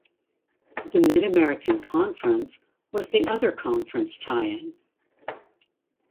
The Mid-American Conference was the other conference tie-in.